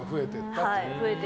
増えて。